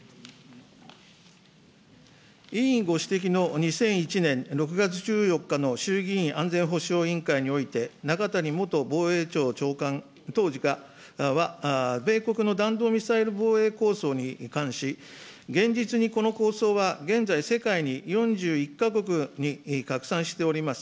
委員ご指摘の２００１年６月１４日の衆議院安全保障委員会において、中谷元防衛庁長官、当時は、米国の弾道ミサイル防衛構想に関し、現実にこの構想は、現在世界に４１か国に拡散しております